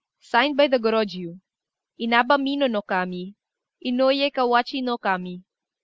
(Signed by the Gorôjiu) INABA MINO NO KAMI. INOUYE KAWACHI NOKAMI.